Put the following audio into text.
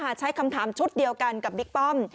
ใช้คำถามชุดเดียวกันกับบิ๊กป้อม